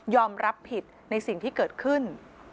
รับผิดในสิ่งที่เกิดขึ้น